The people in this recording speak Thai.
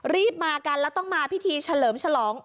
รีบมากันแล้วต้องมาพิธีเฉลิมฉลอง